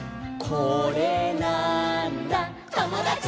「これなーんだ『ともだち！』」